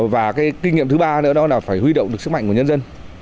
và cái kinh nghiệm thứ ba nữa đó là phải huy động được sức mạnh của nhân dân